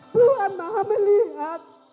tuhan maha melihat